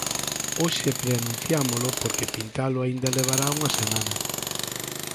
Hoxe preanunciámolo porque pintalo aínda levará unhas semanas.